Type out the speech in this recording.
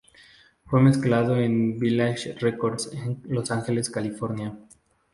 Fue mezclado en Village Recordings, en Los Ángeles, California.